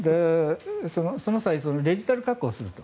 その際デジタル加工すると。